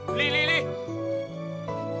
terima kasih kong